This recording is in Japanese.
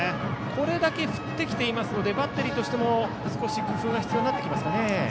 これだけ振ってきていますのでバッテリーとしても少し工夫が必要になりますかね。